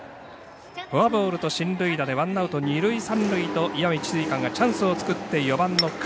フォアボールと進塁打でワンアウト、二塁三塁と石見智翠館がチャンスを作って４番の上。